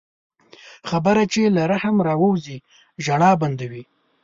خبره چې له رحم راووځي، ژړا بندوي